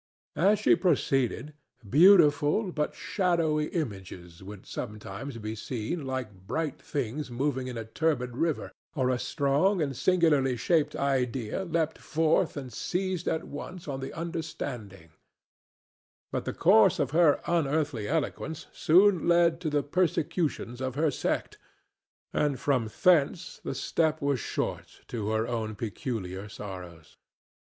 As she proceeded beautiful but shadowy images would sometimes be seen like bright things moving in a turbid river, or a strong and singularly shaped idea leapt forth and seized at once on the understanding or the heart. But the course of her unearthly eloquence soon led her to the persecutions of her sect, and from thence the step was short to her own peculiar sorrows.